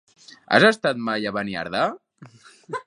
Has estat mai a Beniardà?